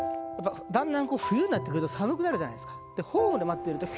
だんだんこう冬になってくると寒くなるじゃないですか。